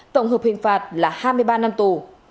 tổng hợp hình phạt là hai mươi ba năm tù